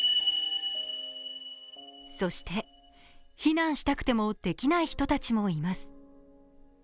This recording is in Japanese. そして、避難したくてもできない人もいます。